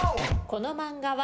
この漫画は？